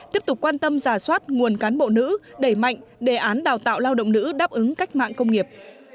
tiếp tục quan tâm giả soát nguồn cán bộ nữ đẩy mạnh đề án đào tạo lao động nữ đáp ứng cách mạng công nghiệp